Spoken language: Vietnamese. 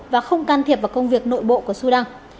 và không can thiệp vào công việc nội bộ của sudan